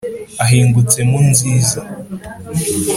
ahingutse mu nziza